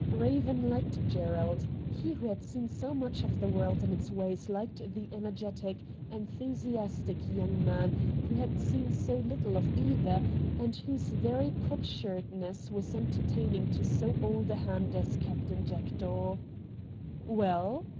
Eaven liked Gerald ; he who had seen so much of the world and its ways liked the energetic, enthusiastic young man who had seen so little of either, and whose very cocksuredness was entertaining to so old a hand as Captain Jackdaw. ' Well